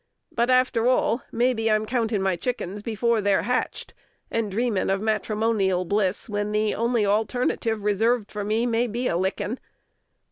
But, after all, maybe I'm countin' my chickins before they' re hatched, and dreamin' of matrimonial bliss when the only alternative reserved for me may be a lickin'.